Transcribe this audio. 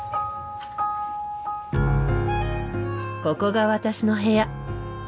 ここが私の部屋。